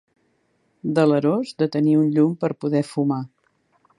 Delerós de tenir un llum per poder fumar.